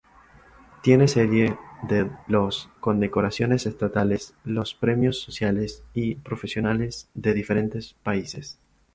Tiene serie de los condecoraciones estatales, los premios sociales y profesionales de diferentes países.